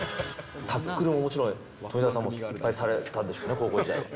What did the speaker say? タックルももちろん、富澤さんもいっぱいされたんですよね、高校時代は。